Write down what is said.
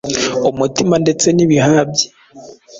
umutima ndetse n’ibihaha bye